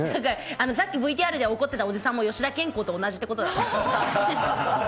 さっきＶＴＲで怒ってたおじさんも吉田兼好と同じってことだね。